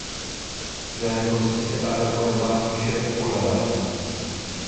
Velikostí se ale podobá spíše ukulele.